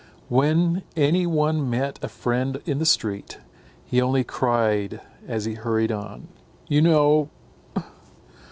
When any one met a friend in the street, he only cried as he hurried on, "You know!"